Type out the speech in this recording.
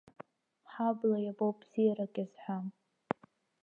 Ҳабла иабо бзиарак иазҳәам.